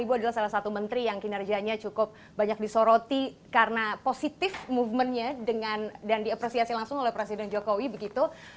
ibu adalah salah satu menteri yang kinerjanya cukup banyak disoroti karena positif movementnya dan diapresiasi langsung oleh presiden jokowi begitu